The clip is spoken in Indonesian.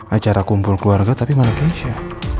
acara kumpul keluarga tapi mana keisha